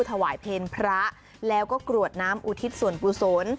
ถวายเพลพระแล้วก็กรวดน้ำอุทิศส่วนกุศล